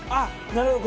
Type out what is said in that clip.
なるほど！